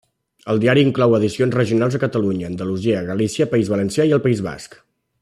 El diari inclou edicions regionals a Catalunya, Andalusia, Galícia, País Valencià i el País Basc.